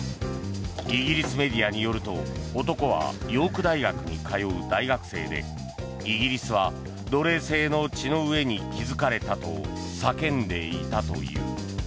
イギリスメディアによると男はヨーク大学に通う大学生でイギリスは奴隷制の血の上に築かれたと叫んでいたという。